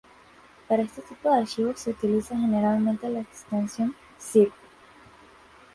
Para este tipo de archivos se utiliza generalmente la extensión ".zip".